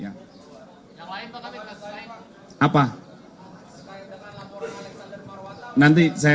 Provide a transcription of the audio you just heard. yang lain pak kb kasih informasi